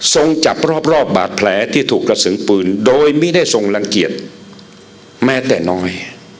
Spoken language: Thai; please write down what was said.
จับรอบบาดแผลที่ถูกกระสุนปืนโดยไม่ได้ทรงรังเกียจแม้แต่น้อย